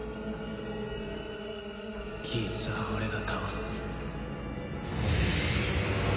ギーツは俺が倒す。